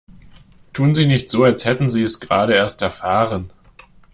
Tun Sie nicht so, als hätten Sie es gerade erst erfahren!